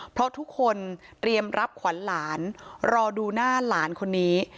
เพราะทุกคนเตรียมรับขวัญหลานรอดูหน้าหลานคนนี้